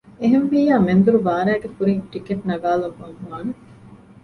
އެހެންވިއްޔާ މެންދުރު ބާރައިގެ ކުރިން ޓިކެޓް ނަގާލައްވަން ވާނެ